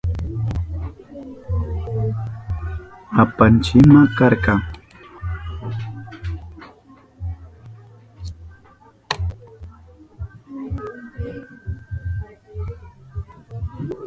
Apanchima karka.